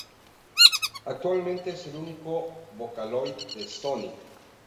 Actualmente es el único Vocaloid de Sony.